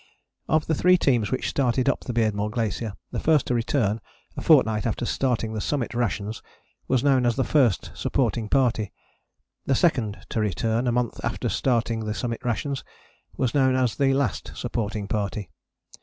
Of the three teams which started up the Beardmore Glacier the first to return, a fortnight after starting the Summit Rations, was known as the First Supporting Party: the second to return, a month after starting the Summit Rations, was known as the Last Supporting Party.